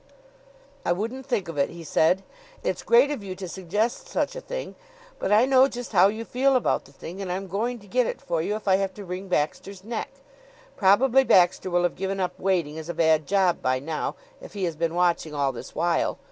"I wouldn't think of it," he said. "It's great of you to suggest such a thing; but I know just how you feel about the thing, and I'm going to get it for you if I have to wring Baxter's neck. Probably Baxter will have given up waiting as a bad job by now if he has been watching all this while.